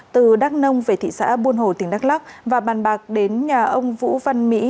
từ đắk nông về thị xã buôn hồ tỉnh đắk lắc và bàn bạc đến nhà ông vũ văn mỹ